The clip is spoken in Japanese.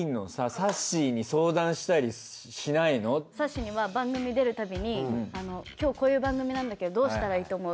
さっしーには番組出るたびに今日こういう番組なんだけどどうしたらいいと思う？